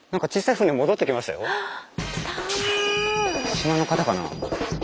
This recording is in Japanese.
島の方かな？